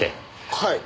はい。